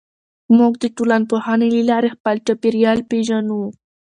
موږ د ټولنپوهنې له لارې خپل چاپېریال پېژنو.